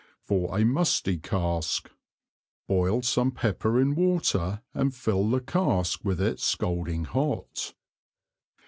For a Musty Cask. Boil some Pepper in water and fill the Cask with it scalding hot.